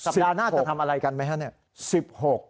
สัปดาห์หน้าก็ทำอะไรกันไหมฮะเนี่ย